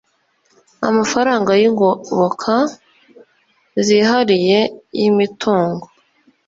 amafaranga y'ingoboka zihariye y'imitungo